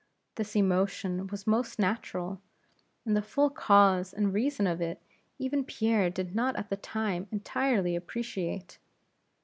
This emotion was most natural; and the full cause and reason of it even Pierre did not at that time entirely appreciate.